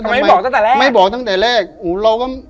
ทำไมไม่บอกตั้งแต่แรก